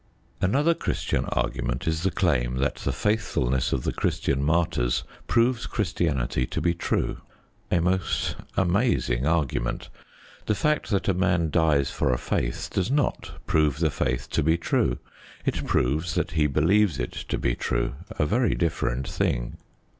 Another Christian argument is the claim that the faithfulness of the Christian martyrs proves Christianity to be true. A most amazing argument. The fact that a man dies for a faith does not prove the faith to be true; it proves that he believes it to be true a very different thing.